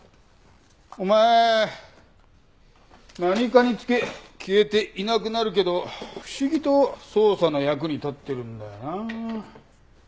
お前何かにつけ消えていなくなるけど不思議と捜査の役に立ってるんだよな。